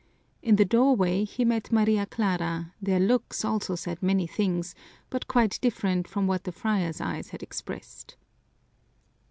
In the doorway he met Maria Clara; their looks also said many things but quite different from what the friars' eyes had expressed.